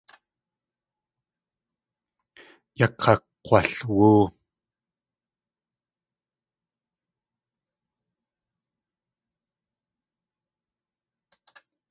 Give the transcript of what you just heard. Yakakg̲walwóo.